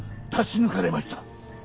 出し抜かれました。